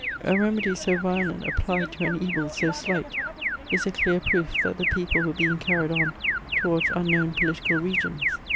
A remedy so violent applied to an evil so slight, is a clear proof that the people were bein^ carried on towards unknown political regions.